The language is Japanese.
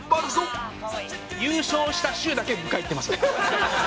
優勝した週だけ迎え行ってます。